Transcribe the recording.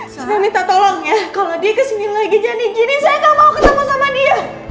saya minta tolong ya kalau dia kesini lagi jadi saya gak mau ketemu sama dia